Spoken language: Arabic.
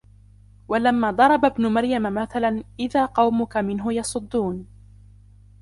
ولما ضرب ابن مريم مثلا إذا قومك منه يصدون